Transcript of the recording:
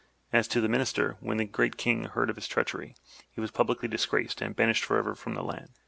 As to the Minister, when the Great King heard of his treachery, he was publicly disgraced and banished forever from the land.